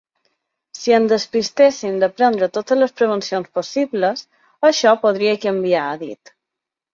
Si ens despistéssim de prendre totes les prevencions possibles, això podria canviar, ha dit.